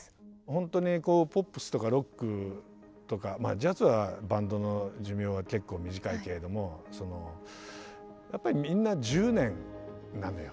ほんとにポップスとかロックとかまあジャズはバンドの寿命が結構短いけれどもやっぱりみんな１０年なのよ。